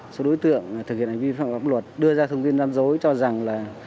số đối tượng thực hiện hành vi pháp luật đưa ra thông tin giam dối cho rằng là